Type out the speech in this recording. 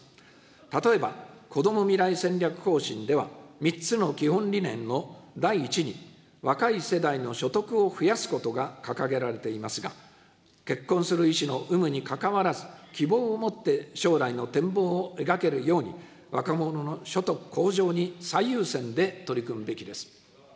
例えばこども未来戦略方針では、３つの基本理念の第１に、若い世代の所得を増やすことが掲げられていますが、結婚する意志の有無にかかわらず、希望を持って将来の展望を描けるように、若者の所得向上に最優先で取り組むべきです。